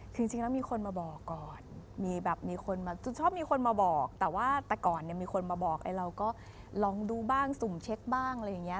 คือจริงแล้วมีคนมาบอกก่อนชอบมีคนมาบอกแต่ว่าแต่ก่อนมีคนมาบอกเราก็ลองดูบ้างสุ่มเช็กบ้างอะไรอย่างนี้